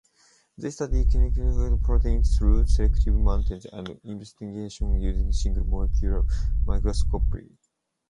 They study kinetochore proteins through selective mutations and investigations using single molecule microscopy.